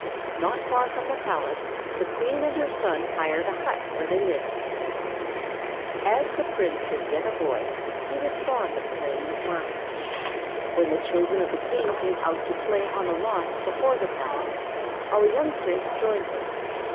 Not far from the palace, the queen and her son hired a hut where they lived. As the prince was yet a boy, he was fond of playing at marbles. When the children of the king came out to play on a lawn before the palace, our young prince joined them.